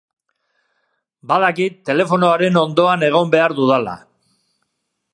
Badakit telefonoaren ondoan egon behar dudala.